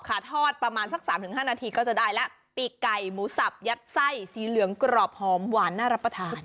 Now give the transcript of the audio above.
ทอดประมาณสักสามถึงห้านาทีก็จะได้แล้วปีกไก่หมูสับยัดไส้สีเหลืองกรอบหอมหวานน่ารับประทาน